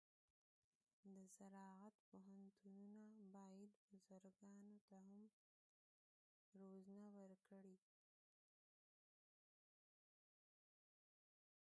د زراعت پوهنتونونه باید بزګرانو ته هم روزنه ورکړي.